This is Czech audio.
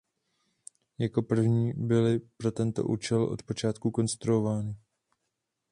Jako první byly pro tento účel od počátku konstruovány.